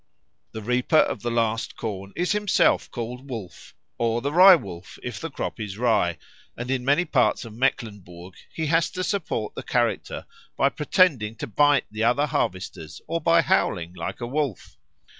The reaper of the last corn is himself called Wolf or the Rye wolf, if the crop is rye, and in many parts of Mecklenburg he has to support the character by pretending to bite the other harvesters or by howling like a wolf.